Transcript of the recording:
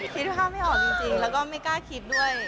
คิดภาพไม่ออกจริงแล้วก็ไม่กล้าคิดด้วย